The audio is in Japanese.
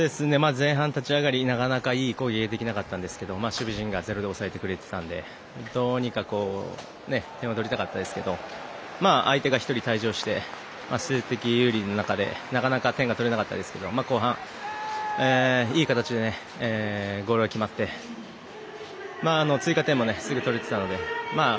前半の立ち上がりなかなかいい攻撃ができなかったんですけど守備陣がゼロで抑えてくれていたのでどうにか点は取りたかったですが相手が１人退場して数的有利の中でなかなか点が取れなかったですけど後半、いい形でゴールが決まって追加点もすぐに取れていたので。